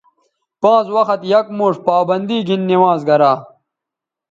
پانز وخت یک موݜ پابندی گھن نمازگرا